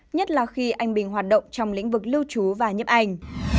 nhất là khi anh bình hoạt động trong lĩnh vực lưu trú và nhấp ảnh